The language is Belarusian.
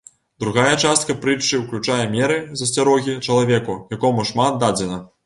Другая частка прытчы ўключае меры засцярогі чалавеку, якому шмат дадзена.